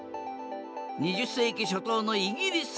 ２０世紀初頭のイギリス。